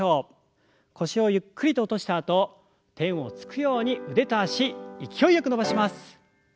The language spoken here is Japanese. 腰をゆっくりと落としたあと天をつくように腕と脚勢いよく伸ばします。